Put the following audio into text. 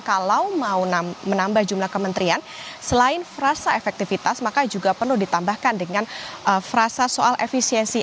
kalau mau menambah jumlah kementerian selain frasa efektivitas maka juga perlu ditambahkan dengan frasa soal efisiensi